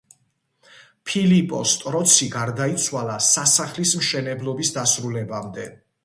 ფილიპო სტროცი გარდაიცვალა სასახლის მშენებლობის დასრულებამდე.